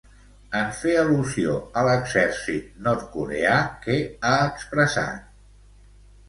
En fer al·lusió a l'exèrcit nord-coreà, què ha expressat?